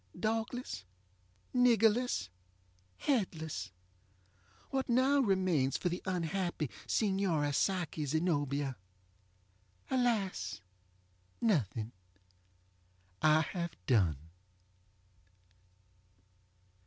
Dogless, niggerless, headless, what now remains for the unhappy Signora Psyche Zenobia? AlasŌĆönothing! I have done.